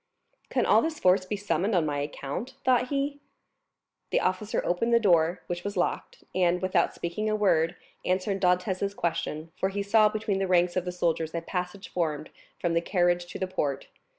"Can all this force be summoned on my account?" thought he. The officer opened the door, which was locked, and, without speaking a word, answered Dantès' question; for he saw between the ranks of the soldiers a passage formed from the carriage to the port.